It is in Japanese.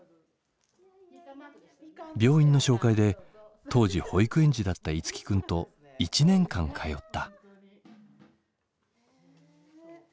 病院の紹介で当時保育園児だった樹君と１年間通った。